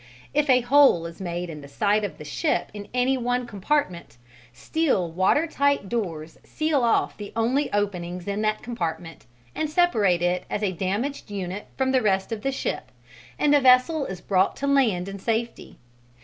] If a hole is made in the side of the ship in any one compartment, steel water tight doors seal off the only openings in that compartment and separate it as a damaged unit from the rest of the ship and the vessel is brought to land in safety.